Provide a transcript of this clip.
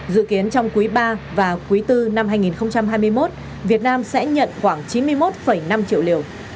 dự kiến trong quý ba và quý bốn năm hai nghìn hai mươi một việt nam sẽ nhận khoảng chín mươi một năm triệu liều